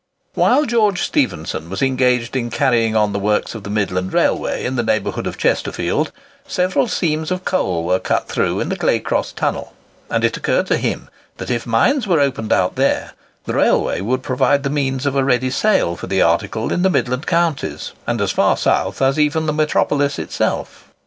While George Stephenson was engaged in carrying on the works of the Midland Railway in the neighbourhood of Chesterfield, several seams of coal were cut through in the Claycross Tunnel, and it occurred to him that if mines were opened out there, the railway would provide the means of a ready sale for the article in the midland counties, and as far south as even the metropolis itself.